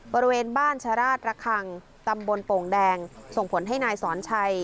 บริเวณบ้านชราชระคังตำบลโป่งแดงส่งผลให้นายสอนชัย